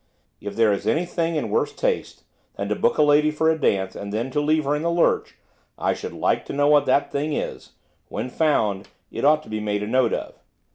If there is anything in worse taste than to book a lady for a dance, and then to leave her in the lurch, I should like to know what that thing is, when found it ought to be made a note of.